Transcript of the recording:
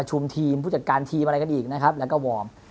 ทีมผู้จัดการทีมอะไรกันอีกนะครับแล้วก็วอร์ม